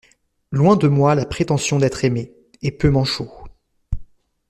Loin de moi la prétention d'être aimé, et peut m'en chaut!